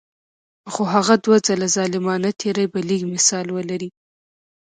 خو هغه دوه ځله ظالمانه تیری به لږ مثال ولري.